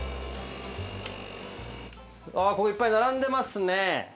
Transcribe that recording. ここいっぱい並んでますね。